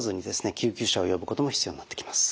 救急車を呼ぶことも必要になってきます。